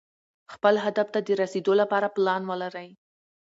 خپل هدف ته د رسېدو لپاره پلان ولرئ.